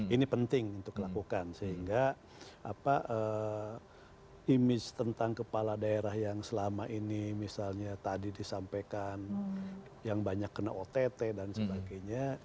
ini penting untuk dilakukan sehingga image tentang kepala daerah yang selama ini misalnya tadi disampaikan yang banyak kena ott dan sebagainya